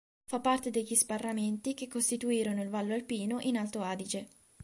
Fa parte degli sbarramenti che costituirono il vallo alpino in Alto Adige.